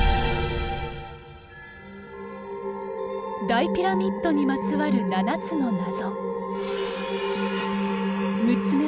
大ピラミッドにまつわる七つの謎。